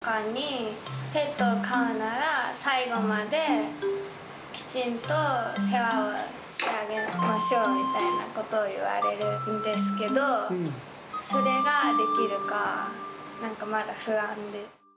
お母さんとかにペットを飼うなら、最期まできちんと世話をしてあげましょうみたいなことを言われるんですけど、それができるか、なんかまだ不安で。